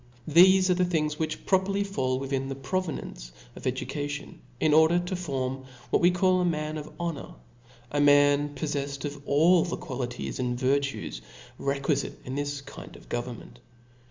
Thcfe are the things which properly fall within the province of education^ in order to form what ^we call a man of honor, a man poflcffed of all the qualities and virtues requifite in this kind of go vernment.